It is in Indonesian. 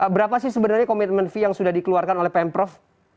berapa sih sebenarnya komitmen fee yang sudah dikeluarkan oleh pemprov